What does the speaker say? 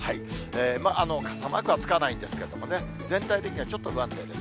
傘マークはつかないんですけれどもね、全体的にはちょっと不安定です。